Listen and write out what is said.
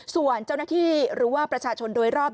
ส่วนเจ้าหน้าที่หรือว่าประชาชนโดยรอบ